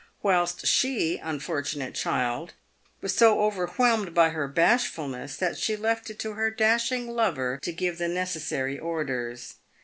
whilst she, unfortunate child, was so overwhelmed by her bashfulness, that she left it to her dashing lover to give the necessary orders.